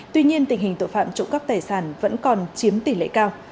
tuy nhiên tình hình tội phạm trụ cấp tài sản vẫn còn chiếm tỷ lệ cao